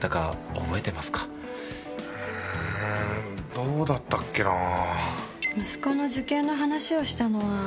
どうだったっけなぁ。